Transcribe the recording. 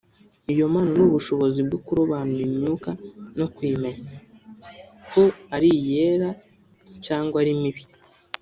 Iyo mpano ni ubushobozi bwo kurobanura imyuka no kuyimenya ko ari iyera cyangwa ari mibi